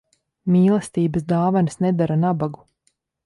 Mīlestības dāvanas nedara nabagu.